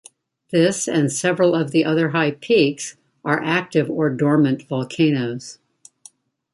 This, and several of the other high peaks, are active or dormant volcanoes.